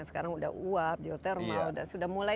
sekarang sudah uap geotermal dan sudah mulai